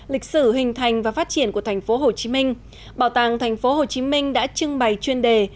lịch sử hình thành và phát triển của tp hcm bảo tàng tp hcm đã trưng bày chuyên đề